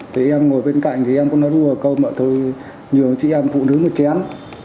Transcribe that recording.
thì em ngồi bên cạnh thì em cũng nói đùa câu mọi thứ nhường chị em phụ nữ một chén